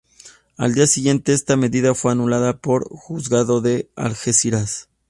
Al día siguiente, esta medida fue anulada por el juzgado de Algeciras.